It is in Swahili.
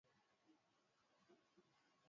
Mtu ni mwenda kwa lake., mtoshawa na kula kitu